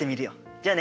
じゃあね。